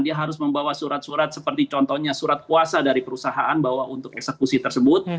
dia harus membawa surat surat seperti contohnya surat kuasa dari perusahaan bahwa untuk eksekusi tersebut